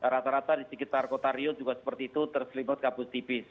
rata rata di sekitar kota rio juga seperti itu terselimut kabut tipis